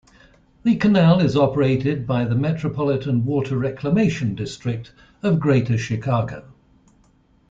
The canal is operated by the Metropolitan Water Reclamation District of Greater Chicago.